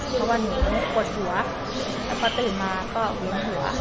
เพราะว่าหนูปวดหัวแล้วพอตื่นมาก็เวียนหัว